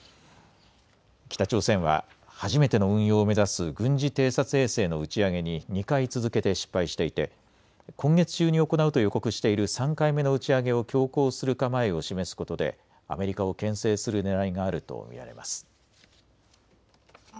北朝鮮は初めての運用を目指す軍事偵察衛星の打ち上げに２回続けて失敗していて今月中に行うと予告している３回目の打ち上げを強行する構えを示すことでアメリカをけん制するねらいがあると見られます。